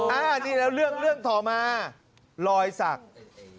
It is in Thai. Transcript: อ่านี่แล้วเรื่องเรื่องต่อมาลอยศักดิ์